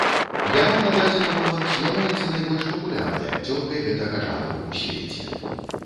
Яна на дадзены момант з'яўляецца найбольш папулярнай акцёркай гэтага жанру ў свеце.